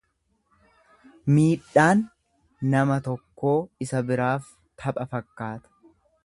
Miidhaan nama tokkoo isa biraaf tapha fakkaata.